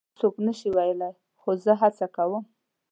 سندرې هم هر څوک نه شي ویلای، خو زه هڅه کوم.